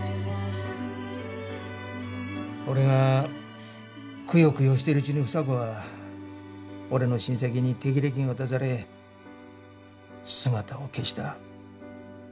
俺がくよくよしてるうちに房子は俺の親戚に手切れ金渡され姿を消した。